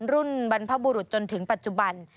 บรรพบุรุษจนถึงปัจจุบัน